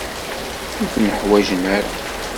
Ur ken-ḥwajen ara.